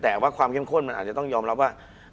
แต่ว่าความเข้มข้นมันอาจจะต้องยอมรับว่า